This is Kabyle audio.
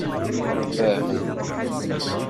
Bahu